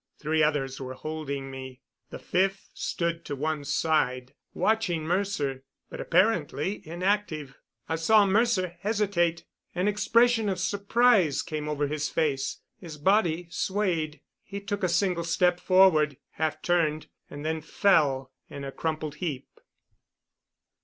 Three others were holding me. The fifth stood to one side, watching Mercer, but apparently inactive. I saw Mercer hesitate. An expression of surprise came over his face. His body swayed; he took a single step forward, half turned, and then fell in a crumpled heap.